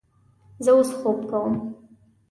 زه اوس خوب کوم